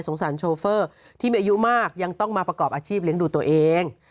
สารโชเฟอร์ที่มีอายุมากยังต้องมาประกอบอาชีพเลี้ยงดูตัวเอง